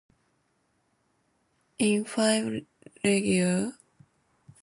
In five League appearances he scored three goals.